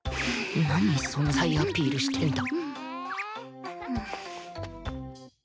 何存在アピールしてるんだ